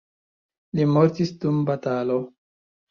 Li mortis dum batalo.